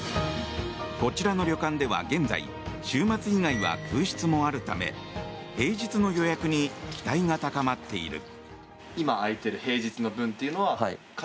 こちらの旅館では現在週末以外は空室もあるため平日の予約に期待が高まっている。